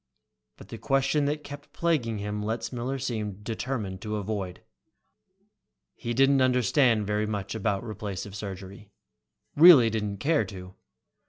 But the question that kept plaguing him Letzmiller seemed determined to avoid. He didn't understand very much about replacive surgery, really didn't care to.